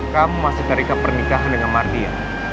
kamu masih tarikah pernikahan dengan mardia